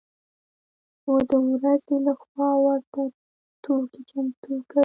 و د ورځې له خوا ورته توکي چمتو کوي.